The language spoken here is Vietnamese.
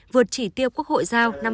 vượt chỉ tiêu quốc hội giao năm